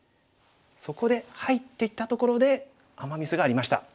そこで入っていったところでアマ・ミスがありました。